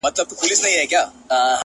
زما د ژوند تيارې ته لا ډېوه راغلې نه ده.